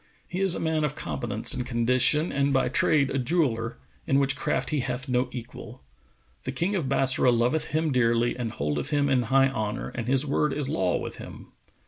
He is a man of competence and condition and by trade a jeweller, in which craft he hath no equal. The King of Bassorah loveth him dearly and holdeth him in high honour and his word is law with him."